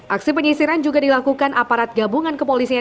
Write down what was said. aksi penyisiran juga dilakukan aparat gabungan kepolisian